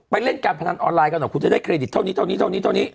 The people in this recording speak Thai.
เล่นการพนันออนไลน์กันหน่อยคุณจะได้เครดิตเท่านี้เท่านี้เท่านี้เท่านี้